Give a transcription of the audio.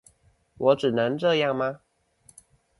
我只能這樣嗎？